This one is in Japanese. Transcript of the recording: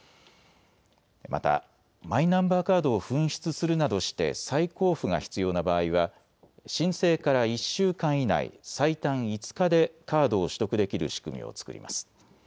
またマイナンバーカードを紛失するなどして再交付が必要な場合は申請から１週間以内、最短５日でカードを取得できる仕組みを作ります。